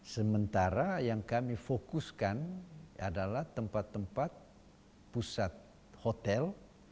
sementara yang kami fokuskan adalah tempat tempat pusat hotel